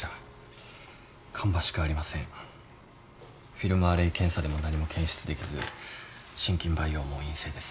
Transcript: フィルムアレイ検査でも何も検出できず真菌培養も陰性です。